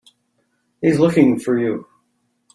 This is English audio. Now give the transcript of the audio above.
He's looking for you.